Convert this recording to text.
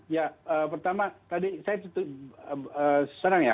ya pertama tadi saya senang ya